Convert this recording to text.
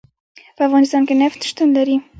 په افغانستان کې نفت شتون لري.